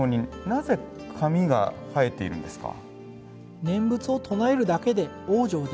なぜ髪が生えているんですか。